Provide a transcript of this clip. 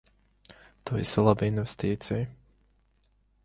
Tu esi laba investīcija.